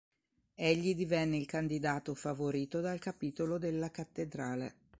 Egli divenne il candidato favorito dal capitolo della cattedrale.